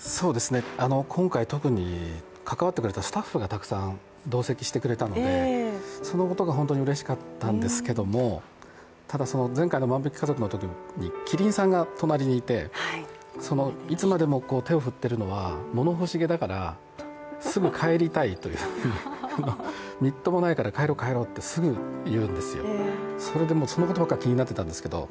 今回、特に関わってくれたスタッフがたくさん同席してくれたのでそのことが本当にうれしかったんですけれどもただ、前回の「万引き家族」のときに希林さんが隣にいていつまでも手を振ってるのは、物欲しげだからすぐ帰りたいという、みっともないから帰ろう、帰ろうとすぐ言うんですよ、それでそのことばっかり気になってたんですけど。